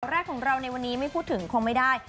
แรกของเราในวันนี้ไม่พูดถึงคงไม่ได้